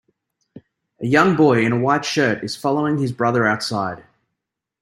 A young boy in a white shirt is following his brother outside.